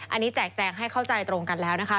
อันนี้แจกแจงให้เข้าใจตรงกันแล้วนะคะ